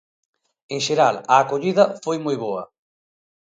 En xeral, a acollida foi moi boa.